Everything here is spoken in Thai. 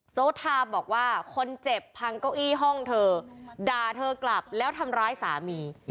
โซทาบอกว่าคนเจ็บพังเก้าอี้ห้องเธอด่าเธอกลับแล้วทำร้ายสามี